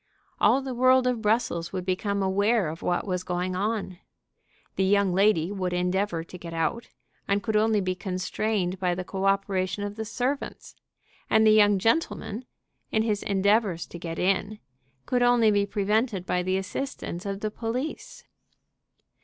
All the world of Brussels would become aware of what was going on. The young lady would endeavor to get out, and could only be constrained by the co operation of the servants; and the young gentleman, in his endeavors to get in, could only be prevented by the assistance of the police.